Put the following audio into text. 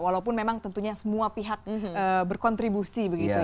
walaupun memang tentunya semua pihak berkontribusi begitu